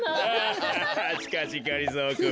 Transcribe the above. しかしがりぞーくん